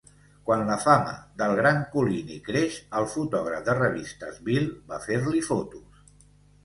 Quan la fama d'El Gran Collini creix, el fotògraf de revistes Bill va a fer-li fotos.